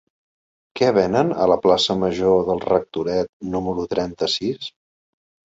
Què venen a la plaça Major del Rectoret número trenta-sis?